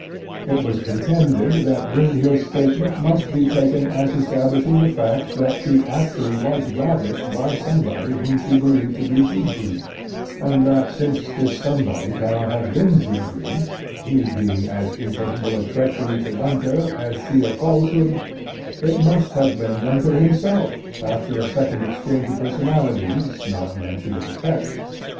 It was contended that Brynhild's statement must be taken as establishing the fact that she actually was ravished by somebody whom she believed to be Siegfried, and that since this somebody cannot have been Siegfried, he being as incapable of treachery to Gunther as she of falsehood, it must have been Gunther himself after a second exchange of personalities not mentioned in the text.